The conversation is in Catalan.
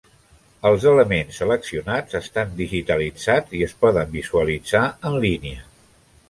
Els elements seleccionats estan digitalitzats i es poden visualitzar en línia.